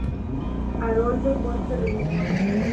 Haroldo Ponce de León.